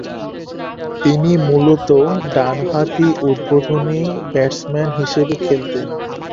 তিনি মূলতঃ ডানহাতি উদ্বোধনী ব্যাটসম্যান হিসেবে খেলতেন।